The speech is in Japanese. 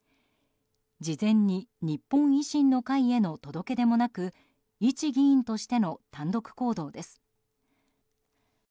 事前に日本維新の会への届け出もなく一議員としての単独行動です。